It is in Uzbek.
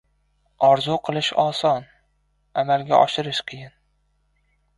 • Orzu qilish oson, amalga oshirish qiyin.